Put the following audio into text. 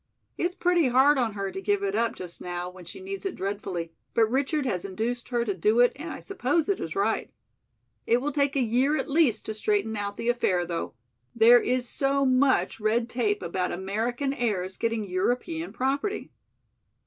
It's pretty hard on her to give it up just now when she needs it dreadfully, but Richard has induced her to do it and I suppose it is right. It will take a year at least to straighten out the affair though. There is so much red tape about American heirs getting European property."